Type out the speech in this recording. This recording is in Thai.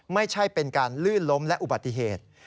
ไม่ใช่เป็นการลื่นล้มและอุบัติเหตุ